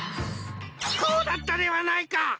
こうだったではないか！